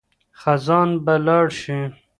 خزان به لاړ شي.